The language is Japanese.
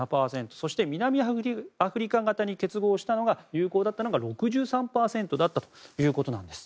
そして南アフリカ型に結合した有効だったのが６３％だったということなんです。